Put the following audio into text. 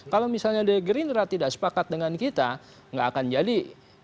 kalau misalnya dari gerindra tidak sepakat dengan kita nggak akan jadi